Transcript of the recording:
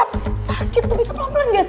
ah botol kicap sakit tuh bisa pelan pelan gak sih